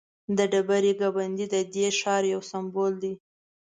د ډبرې ګنبد ددې ښار یو سمبول دی.